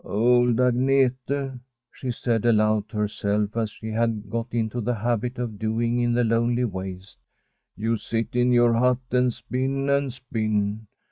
' Old Agnete/ she said aloud to herself, as she had got into the habit of doing in the lonely waste, ' you sit in your hut and spin, and spin.